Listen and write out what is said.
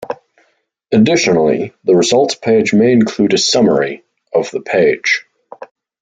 Additionally the results page may include a summary of the page.